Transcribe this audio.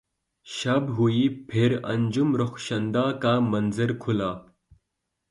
شب ہوئی پھر انجم رخشندہ کا منظر کھلا